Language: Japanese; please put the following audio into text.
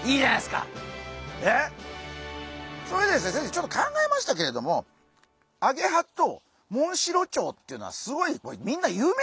ちょっと考えましたけれどもアゲハとモンシロチョウっていうのはすごいみんな有名なんですよ。